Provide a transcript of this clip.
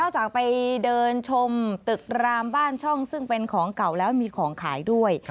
จากไปเดินชมตึกรามบ้านช่องซึ่งเป็นของเก่าแล้วมีของขายด้วย